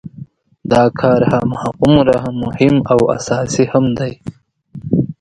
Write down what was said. دا کار هماغومره مهم او اساسي هم دی.